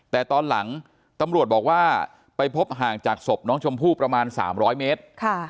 แต่ตอนหลังตำรวจบอกว่าไปพบห่างจากศพน้องชมพู่ประมาณ๓๐๐เมตร